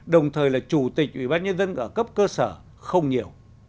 đồng thời là chủ tịch ủy ban nhân dân ở cấp cơ sở không nhiều